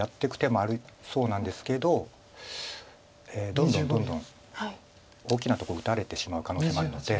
どんどんどんどん大きなとこ打たれてしまう可能性もあるので。